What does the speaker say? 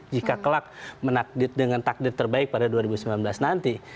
jika kelak dengan takdir terbaik pada dua ribu sembilan belas nanti